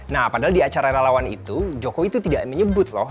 nah padahal di acara relawan itu jokowi itu tidak menyebut loh